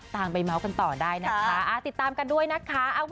ตามไปเมาส์กันต่อได้นะคะติดตามกันด้วยนะคะ